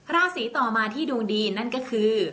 ราศีต่อมาที่ดวงดีนั่นก็คือ